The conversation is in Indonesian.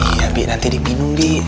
iya bik nanti diminum bik